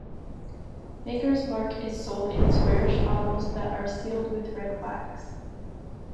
Maker's Mark is sold in squarish bottles that are sealed with red wax.